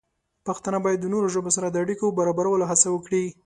پښتانه باید د نورو ژبو سره د اړیکو د برابرولو هڅه وکړي.